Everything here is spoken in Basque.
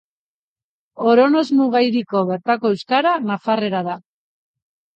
Oronoz-Mugairiko bertako euskara nafarrera da.